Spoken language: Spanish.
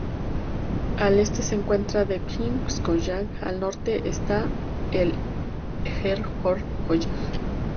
Al este se encuentra The Queen’s College y al norte está el Hertford College.